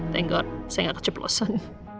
thank god saya gak keceplosan